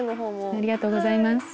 ありがとうございます。